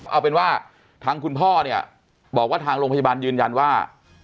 เอาเป็นว่าทางคุณพ่อเนี่ยบอกว่าทางโรงพยาบาลยืนยันว่า